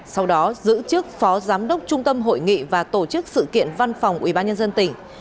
sau đó giữ chức phó giám đốc trung tâm hội nghị và tổ chức sự kiện văn phòng ubnd tỉnh